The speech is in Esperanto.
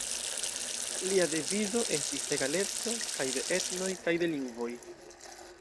Lia devizo estis egaleco kaj de etnoj kaj de lingvoj.